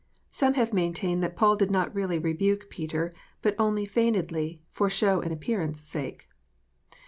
Some have maintained that Paul did not really rebuke Peter, but only feignedly, for show and appearance sake